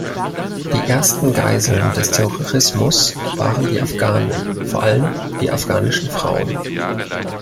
Die ersten Geiseln des Terrorismus waren die Afghanen, vor allem die afghanischen Frauen.